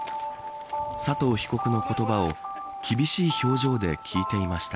佐藤被告の言葉を厳しい表情で聞いていました。